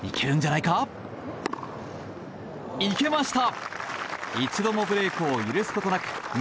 いけました！